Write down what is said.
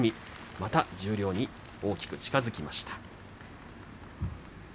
また十両に大きく近づきました。